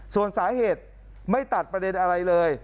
ส่วนสาเหตุไม่ตัดประเด็นอะไรเลย